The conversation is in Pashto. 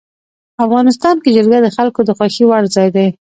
افغانستان کې جلګه د خلکو د خوښې وړ ځای دی.